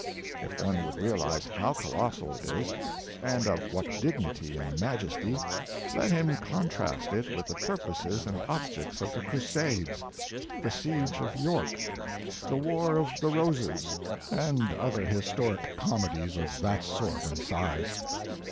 If one would realize how colossal it is, and of what dignity and majesty, let him contrast it with the purposes and objects of the Crusades, the siege of York, the War of the Roses, and other historic comedies of that sort and size.